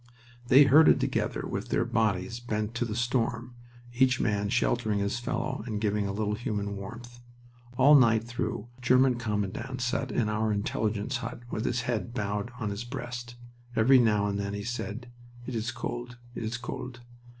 They herded together with their bodies bent to the storm, each man sheltering his fellow and giving a little human warmth. All night through a German commandant sat in our Intelligence hut with his head bowed on his breast. Every now and then he said: "It is cold! It is cold!"